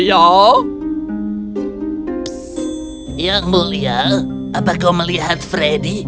yang mulia apa kau melihat freddy